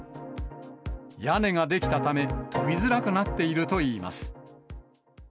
屋根が出来たため、飛びづらくなっているといいます。